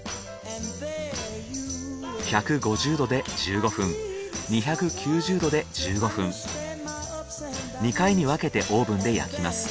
１５０℃で１５分２９０℃で１５分２回に分けてオーブンで焼きます。